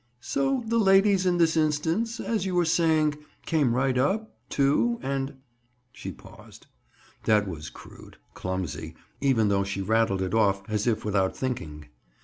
"So the ladies in this instance, as you were saying, came right up, too, and—?" She paused. That was crude—clumsy—even though she rattled it off as if without thinking.